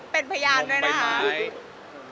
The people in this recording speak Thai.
เป็นพยานด้วยนะคะ